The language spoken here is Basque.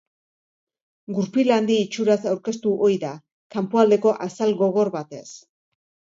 Gurpil handi itxuraz aurkeztu ohi da, kanpoaldeko azal gogor batez.